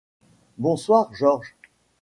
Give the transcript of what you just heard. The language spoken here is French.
Bonsoir, George.